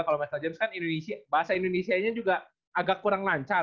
kalau michael james kan bahasa indonesia nya juga agak kurang lancar